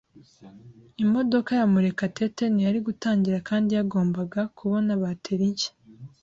Imodoka ya Murekatete ntiyari gutangira kandi yagombaga kubona bateri nshya.